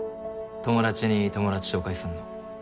友達に友達紹介すんの。